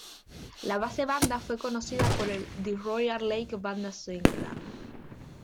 La base Vanda fue conocida por el "The Royal Lake Vanda Swim Club".